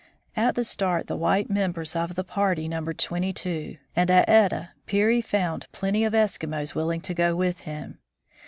At the start, the white members of the party numbered twenty two, and at Etah Peary found plenty of Eskimos willing to go with him.